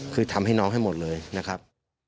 คือทำให้น้องให้หมดเลยนะครับ